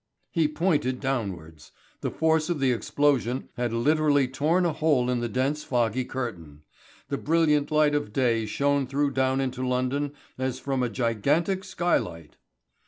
] He pointed downwards. The force of the explosion had literally torn a hole in the dense foggy curtain. The brilliant light of day shone through down into London as from a gigantic skylight.